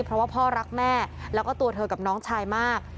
เพราะว่าพ่อรักแม่แล้วก็ตัวเธอกับน้องชายมาก